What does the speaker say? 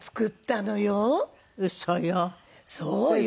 そうよ！